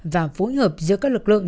và phối hợp giữa các lực lượng